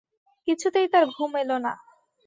কিছুতেই তার ঘুম এল না।